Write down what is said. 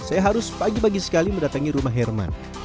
saya harus pagi pagi sekali mendatangi rumah herman